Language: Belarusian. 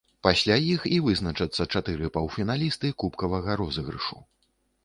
Пасля іх і вызначацца чатыры паўфіналісты кубкавага розыгрышу.